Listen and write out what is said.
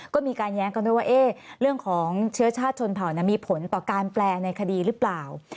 ก็มีการแย้งกันด้วยว่าเรื่องของเชื้อชาติชนเผ่ามีผลต่อการแปลในคดีหรือเปล่า